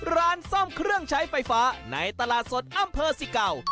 ร้านซ่อมเครื่องใช้ไฟฟ้าในตลาดสดอำเภอสิเก่า